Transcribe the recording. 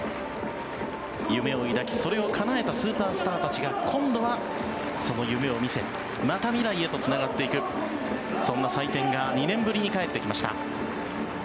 夢を抱き、それをかなえたスーパースターたちが今度はその夢を見せまた未来へとつながっていくそんな祭典が２年ぶりに帰ってきました。